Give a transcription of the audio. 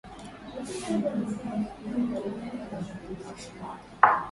ukimwi unapunguza idadi ya watu wanaoweza kulipa ushuru